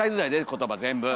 言葉全部！